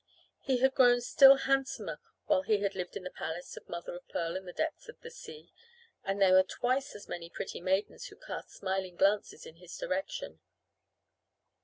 He had grown still handsomer while he had lived in the palace of mother of pearl in the depths of the sea, and there were twice as many pretty maidens who cast smiling glances in his direction.